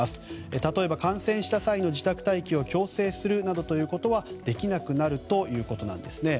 例えば感染した際の自宅待機を強制することはできなくなるということなんですね。